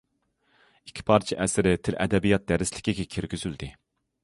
ئىككى پارچە ئەسىرى تىل- ئەدەبىيات دەرسلىكىگە كىرگۈزۈلدى.